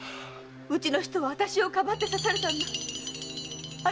うちの人は私をかばって刺されたんだ。